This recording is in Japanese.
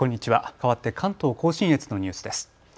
かわって関東甲信越のニュースです。